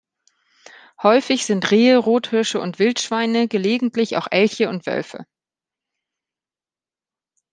Häufig sind Rehe, Rothirsche und Wildschweine, gelegentlich auch Elche und Wölfe.